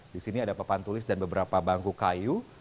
di sini ada papan tulis dan beberapa bangku kayu